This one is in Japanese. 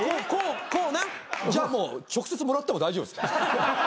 じゃあもう直接もらっても大丈夫ですか？